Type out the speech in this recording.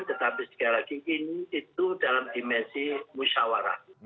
tetapi sekali lagi ini itu dalam dimensi musyawarah